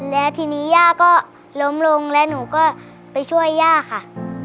แล้วทีนี้ย่าก็ล้มลงแล้วหนูก็ไปช่วยย่าค่ะ